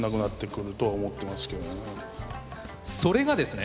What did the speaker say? それがですね